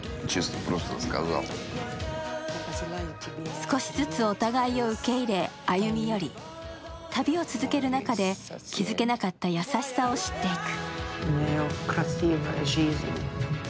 少しずつお互いを受け入れ、歩み寄り、旅を続ける中で気づけなかった優しさを知っていく。